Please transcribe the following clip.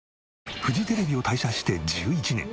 フジテレビを退社して１１年。